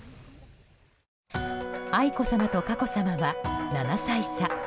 愛子さまと佳子さまは、７歳差。